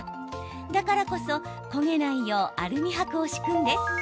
だからこそ焦げないようアルミはくを敷くんです。